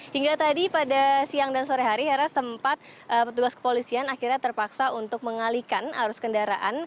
hingga tadi pada siang dan sore hari hera sempat petugas kepolisian akhirnya terpaksa untuk mengalihkan arus kendaraan